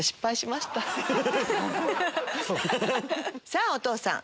さぁお父さん！